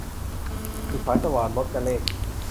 สุดสายสวาท - รจเรข